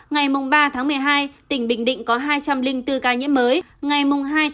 ngày ba một mươi hai tỉnh bình định có hai trăm linh bốn ca nhiễm mới